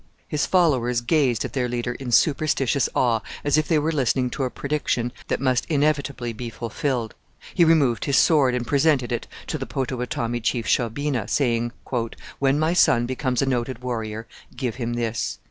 His followers gazed at their leader in superstitious awe, as if they were listening to a prediction that must inevitably be fulfilled. He removed his sword, and presented it to the Potawatomi chief Shaubena, saying, 'When my son becomes a noted warrior, give him this.'